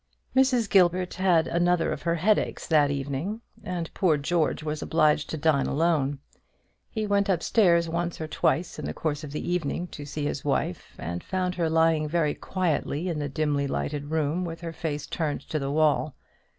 Mrs. Gilbert had another of her headaches that evening, and poor George was obliged to dine alone. He went up stairs once or twice in the course of the evening to see his wife, and found her lying very quietly in the dimly lighted room with her face turned to the wall.